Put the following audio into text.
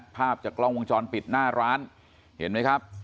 ภาพจากกล้องวงจรปิดหน้าร้านเห็นไหมครับ